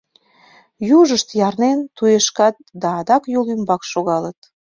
Южышт ярнен туешкат да адак йол ӱмбак шогалыт.